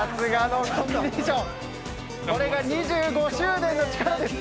これが２５周年の力です！